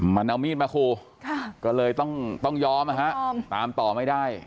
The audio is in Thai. มันเอามีดมาคู่ก็เลยต้องยอมนะฮะตามต่อไม่ได้